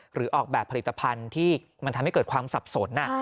หรือออกแบบผลิตภัณฑ์ที่มันทำให้เกิดความสับสน